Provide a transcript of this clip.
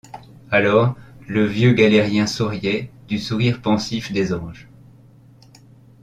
Alors le vieux galérien souriait du sourire pensif des anges.